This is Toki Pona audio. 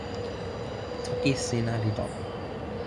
toki sina li lon.